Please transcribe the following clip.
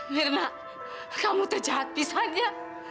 mirna kamu terjahat pisahnya